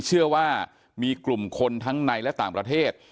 เชื่อว่ามีกลุ่มคนทั้งในและต่างประเทศ